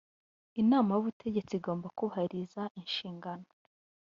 inama y ubutegetsi igomba kubahiriza inshingano